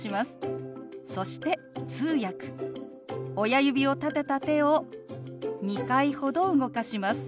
親指を立てた手を２回ほど動かします。